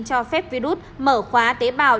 cho phép virus mở khóa tế bào